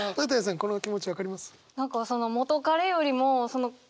この気持ち分かります？